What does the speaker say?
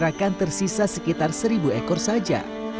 bahkan tersisa sekitar seribu ekor saja